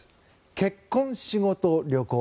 結婚、仕事、旅行。